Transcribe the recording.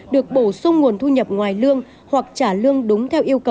được bổ sung nguồn thu nhập ngoài lương